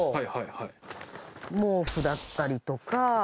毛布だったりとか。